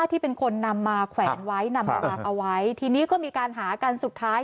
ที่เป็นคนนำมาแขวนไว้นำมาวางเอาไว้ทีนี้ก็มีการหากันสุดท้าย